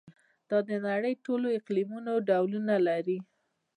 دا د نړۍ د ټولو اقلیمونو ډولونه لري.